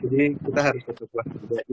jadi kita harus tetap berpikir